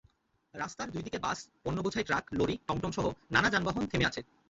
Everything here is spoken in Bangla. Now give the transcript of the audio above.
রাস্তার দুই দিকে বাস, পণ্যবোঝাই ট্রাক, লরি, টমটমসহ নানা যানবাহন থেমে আছে।